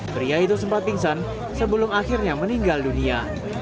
pria itu sempat pingsan sebelum akhirnya meninggal dunia